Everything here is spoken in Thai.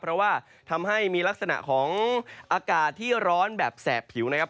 เพราะว่าทำให้มีลักษณะของอากาศที่ร้อนแบบแสบผิวนะครับ